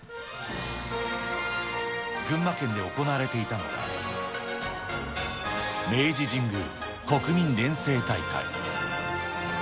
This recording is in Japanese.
群馬県で行われていたのは、明治神宮国民錬成大会。